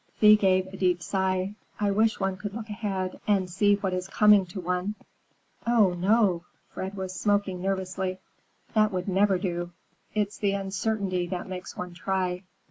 Thea gave a deep sigh. "I wish one could look ahead and see what is coming to one." "Oh, no!" Fred was smoking nervously; "that would never do. It's the uncertainty that makes one try.